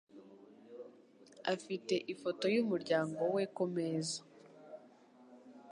afite ifoto yumuryango we kumeza.